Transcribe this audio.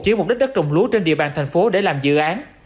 chuyển mục đích đất trồng lúa trên địa bàn thành phố để làm dự án